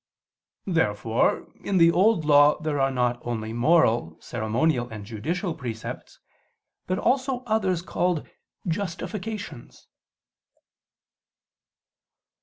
Therefore in the Old Law there are not only moral, ceremonial and judicial precepts, but also others, called "justifications."